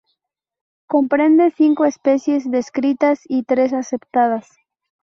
Comprende cinco especies descritas y tres aceptadas.